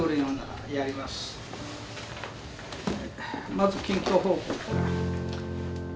まず近況報告から。